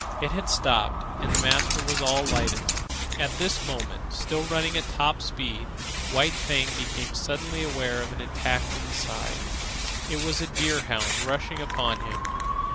It had stopped, and the master was alighting. At this moment, still running at top speed, White Fang became suddenly aware of an attack from the side. It was a deer hound rushing upon him.